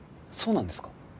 そうなんですか？